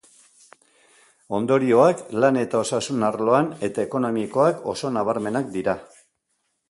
Ondorioak lan eta osasun arloan eta ekonomikoak oso nabarmenak dira.